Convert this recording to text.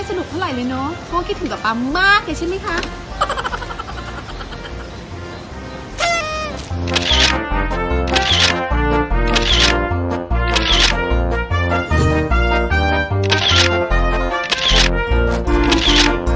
เหมือนไม่ค่อยสนุกเท่าไหร่เลยเนาะ